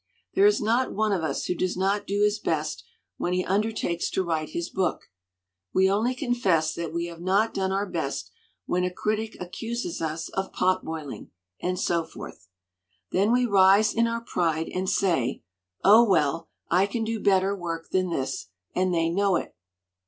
"There is not one of us who does not do his best when he undertakes to write his book. We only confess that we have not done our best when a critic accuses us of pot boiling, and so forth. Then we rise in our pride and say, 'Oh, well, I can do better work than this, and they know it.'